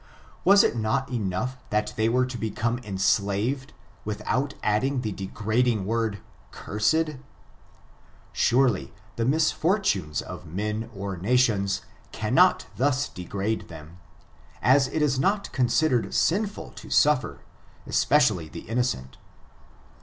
Was it not enough that they were to become enslaved, without adding the degrading word, cursed ? Surely, the misfor tunes of men or nations cannot thus degrade them, as it is not considered sinful to suffer — especially the innocent.